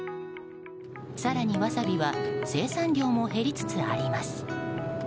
更に、ワサビは生産量も減りつつあります。